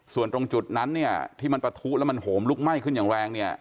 ส่วนตรงจุดนั้นเนี่ยที่มันปะทุแล้วมันโหมลุกไหม้ขึ้นอย่างแรงเนี่ย